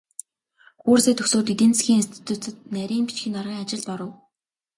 Курсээ төгсөөд эдийн засгийн институцэд нарийн бичгийн даргын ажилд оров.